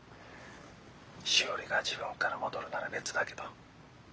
しおりが自分から戻るなら別だけど。